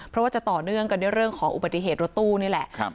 เพราะว่าจะต่อเนื่องกันด้วยเรื่องของอุบัติเหตุรถตู้นี่แหละ